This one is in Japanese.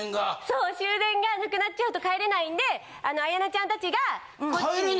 そう終電が無くなっちゃうと帰れないんで綾菜ちゃん達がこっちに。